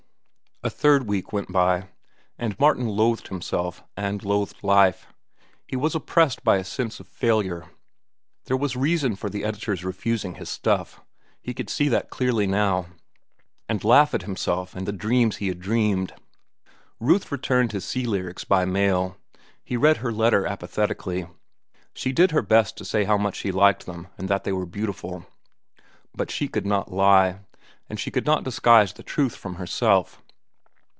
A third week went by, and Martin loathed himself, and loathed life. He was oppressed by a sense of failure. There was reason for the editors refusing his stuff. He could see that clearly now, and laugh at himself and the dreams he had dreamed. Ruth returned his "Sea Lyrics" by mail. He read her letter apathetically. She did her best to say how much she liked them and that they were beautiful. But she could not lie, and she could not disguise the truth from herself.